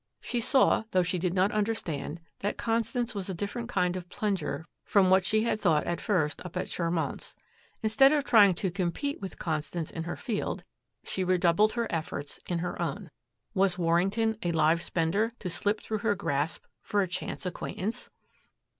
She saw, though she did not understand, that Constance was a different kind of plunger from what she had thought at first up at Charmant's. Instead of trying to compete with Constance in her field, she redoubled her efforts in her own. Was Warrington, a live spender, to slip through her grasp for a chance acquaintance?